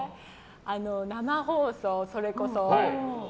生放送、それこそ。